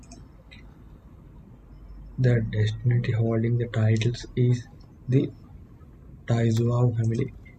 The dynasty holding the title is the Tuisawau family.